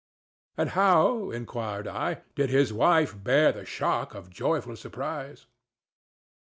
"And how," inquired I, "did his wife bear the shock of joyful surprise?"